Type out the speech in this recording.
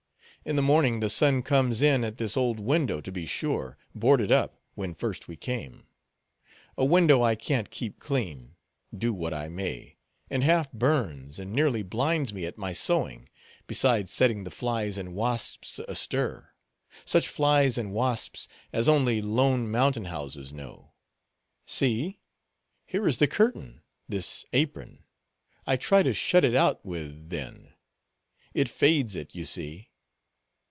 In the morning, the sun comes in at this old window, to be sure—boarded up, when first we came; a window I can't keep clean, do what I may—and half burns, and nearly blinds me at my sewing, besides setting the flies and wasps astir—such flies and wasps as only lone mountain houses know. See, here is the curtain—this apron—I try to shut it out with then. It fades it, you see.